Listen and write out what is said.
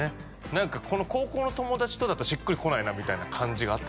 何か高校の友達とだとしっくりこないなみたいな感じがあった